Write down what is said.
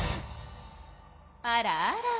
あらあら。